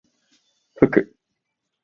ふく